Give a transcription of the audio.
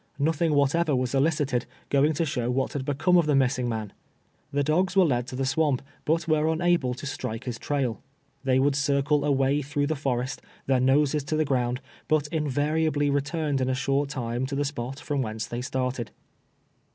Nothing whatever was elicited, going to show what had be come of the missinf; man. Tlie do^s were led to the swamp, but were unable to strike his ti ail. They would circle away through the forest, their noses to the ground, but invariably returned in a short time to the spot from whence they started.